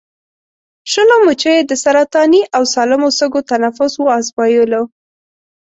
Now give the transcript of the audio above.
شلو مچیو د سرطاني او سالمو سږو تنفس وازمویلو.